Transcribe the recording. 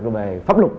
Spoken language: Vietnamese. rồi về pháp luật